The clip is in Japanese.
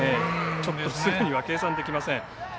ちょっとすぐには計算できません。